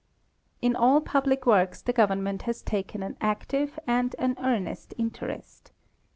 In all public works the government has taken an active and an earnest interest.